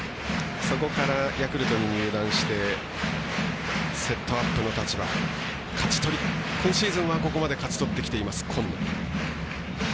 そこから、ヤクルトに入団してセットアップの立場を今シーズンは、ここまで勝ち取ってきています今野。